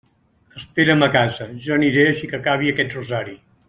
Espera'm a casa; jo aniré així que acabe aquest rosari.